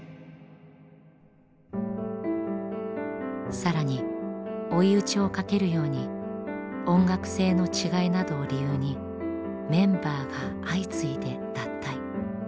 更に追い打ちをかけるように音楽性の違いなどを理由にメンバーが相次いで脱退。